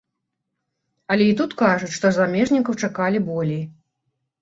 Але і тут кажуць, што замежнікаў чакалі болей.